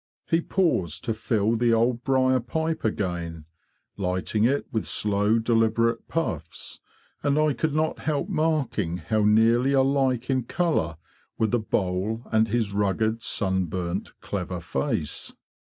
He paused to fill the old briar pipe again, lighting it with slow deliberate puffs, and I could not help marking how nearly alike in colour were the bowl and his rugged, sunburnt, clever face.